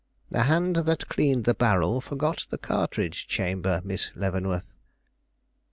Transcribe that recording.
The hand that cleaned the barrel forgot the cartridge chamber, Miss Leavenworth."